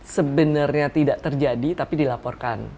sebenarnya tidak terjadi tapi dilaporkan